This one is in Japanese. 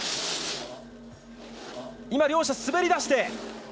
今、両者、滑り出して。